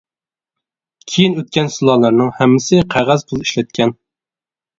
كېيىن ئۆتكەن سۇلالىلەرنىڭ ھەممىسى قەغەز پۇل ئىشلەتكەن.